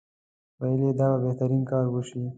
ویل یې دا به بهترین کار وشي.